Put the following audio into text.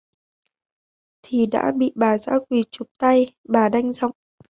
Thì đã bị bà dã quỳ Chụp tay bà đanh giọng